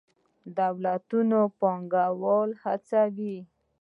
دولتونه پانګوال هڅوي.